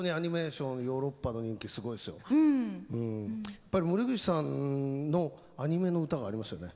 やっぱり森口さんのアニメの歌がありますよね。